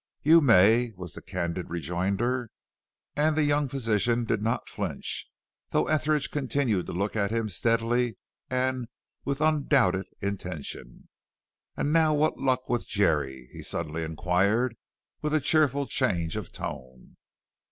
"You may," was the candid rejoinder. And the young physician did not flinch, though Etheridge continued to look at him steadily and with undoubted intention. "And now what luck with Jerry?" he suddenly inquired, with a cheerful change of tone.